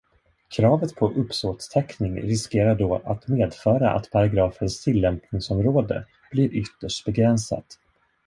Kravet på uppsåtstäckning riskerar då att medföra att paragrafens tillämpningsområde blir ytterst begränsat.